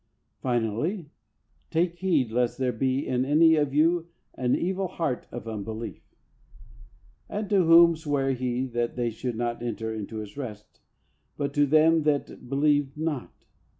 Finally, " Take heed, lest there be in any of you an evil heart of unbelief,^' "And to whom sware He that they should not enter into His rest, but to them that believed not?